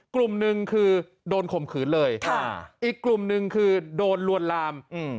กลุ่มหนึ่งคือโดนข่มขืนเลยอีกกลุ่มหนึ่งคือโดนลวนลาม